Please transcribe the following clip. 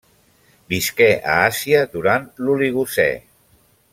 Visqué a Àsia durant l'Oligocè.